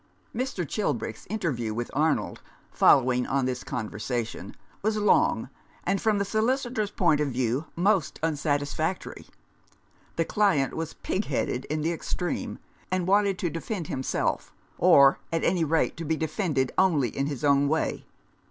Mr. Chilbrick's interview with Arnold, following on this conversation, was long, and from the 140 At Bow Street. solicitor's point of view most unsatisfactory. The client was pig headed in the extreme, and wanted to defend himself, or, at any rate, to be defended only in his own way.